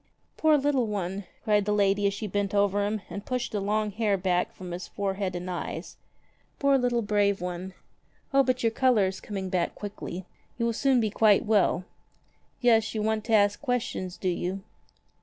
"Poor little one!" cried the lady as she bent over him and pushed the long hair back from his forehead and eyes. "Poor little brave one! O but your color is coming back quickly. You will soon be quite well. Yes, you want to ask questions, do you